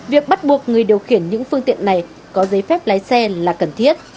việc bắt buộc người điều khiển những phương tiện này có giấy phép lái xe là cần thiết